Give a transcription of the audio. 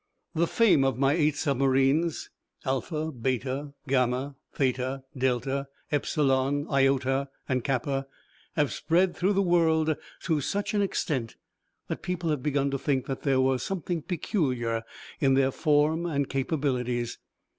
The fame of my eight submarines, Alpha, Beta, Gamma, Theta, Delta, Epsilon, Iota, and Kappa, have spread through the world to such an extent that people have begun to think that there was something peculiar in their form and capabilities.